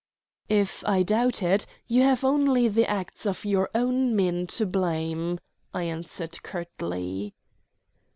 "If I doubt it, you have only the acts of your own men to blame," I answered curtly.